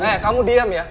eh kamu diam ya